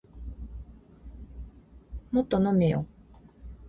もっと飲めよ